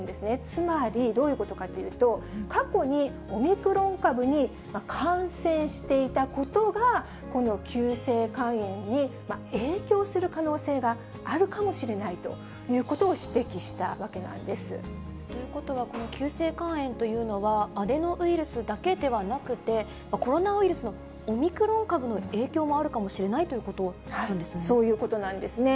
つまり、どういうことかというと、過去にオミクロン株に感染していたことが、この急性肝炎に影響する可能性があるかもしれないということを指ということは、この急性肝炎というのは、アデノウイルスだけではなくて、コロナウイルスのオミクロン株の影響もあるかもしれないというこそういうことなんですね。